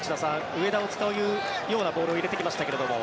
上田を使うようなボールを入れてきましたけれども。